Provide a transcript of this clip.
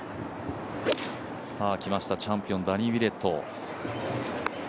来ました、チャンピオン、ダニー・ウィレット。